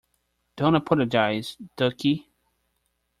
Don't apologize, ducky.